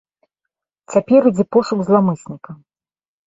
Цяпер ідзе пошук зламысніка.